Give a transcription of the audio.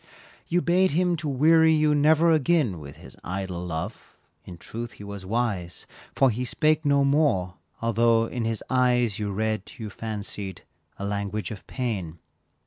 You bade him to weary you, never again With his idle love, in truth he was wise, For he spake no more, although in his eyes You read, you fancied, a language of pain.